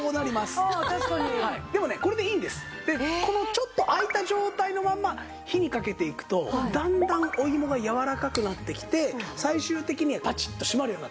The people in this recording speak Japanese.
ちょっと開いた状態のまま火にかけていくとだんだんおいもがやわらかくなってきて最終的にはパチッと閉まるようになってます。